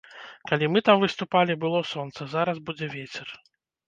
Калі мы там выступалі, было сонца, зараз будзе вецер.